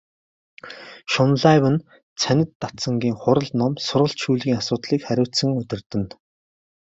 Шунлайв нь цанид дацангийн хурал ном, сургалт шүүлгийн асуудлыг хариуцан удирдана.